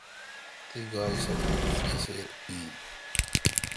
تی گاے سہ بسیر°این۔